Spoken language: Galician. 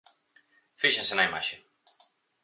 Fíxense na imaxe.